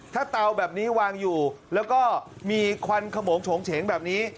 ถ้าเตาแบบนี้วางอยู่แล้วก็มีควันขมงโฉงเฉงแบบนี้